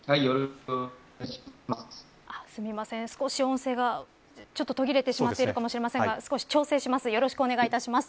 少し音声が途切れてしまっているかもしれませんが少し調整します。